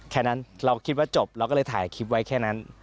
แค่นั้นเราคิดว่าจบเราก็เลยถ่ายคลิปไว้แค่นั้น